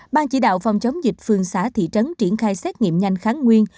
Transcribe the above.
ban chỉ đạo phòng chống dịch phường xã thị trấn triển khai xét nghiệm nhanh kháng nguyên